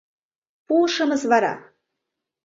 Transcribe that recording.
Пуы-шымыс вара.